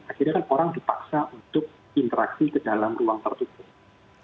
akhirnya kan orang dipaksa untuk interaksi ke dalam ruang tertutup